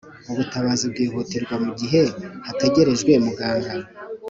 ubutabazi bwihutirwa mu gihe hategerejwe muganga